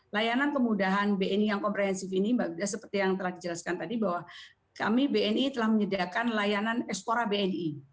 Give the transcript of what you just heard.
layanan kemudahan bni yang komprehensif ini seperti yang telah dijelaskan tadi bahwa kami bni telah menyediakan layanan expora bni